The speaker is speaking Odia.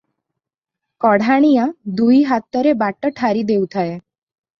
କଢ଼ାଣିଆ ଦୁଇ ହାତରେ ବାଟ ଠାରି ଦେଉଥାଏ ।